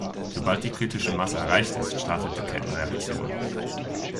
Sobald die kritische Masse erreicht ist, startet die Kettenreaktion.